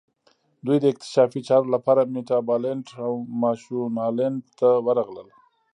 دوی د اکتشافي چارو لپاره میتابالنډ او مشونالند ته ورغلل.